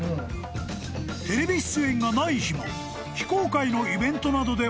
［テレビ出演がない日も非公開のイベントなどで］